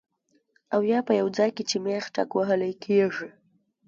او يا پۀ يو ځائے کې چې مېخ ټکوهلی کيږي